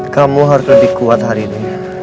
kamu harus lebih kuat hari ini